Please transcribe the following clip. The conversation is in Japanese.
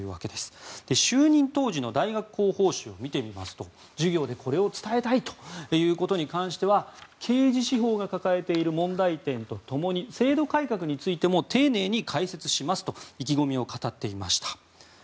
就任当時の大学広報誌を見てみますと授業でこれを伝えたいということに関しては刑事司法が抱えている問題点と共に制度改革についても丁寧に解説しますと意気込みを語っていました。